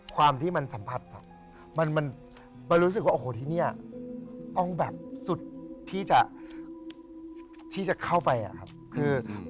ความที่มันสัมผัสมันมันรู้สึกว่าโอ้โหที่นี่ต้องแบบสุดที่จะเข้าไปอะครับคือ